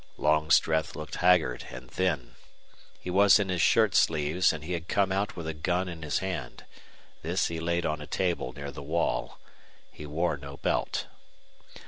Longstreth looked haggard and thin. He was in his shirt sleeves, and he had come out with a gun in his hand. This he laid on a table near the wall. He wore no belt.